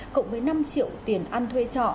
cộng với năm triệu tiền ăn thuê trọ